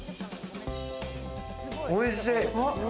おいしい！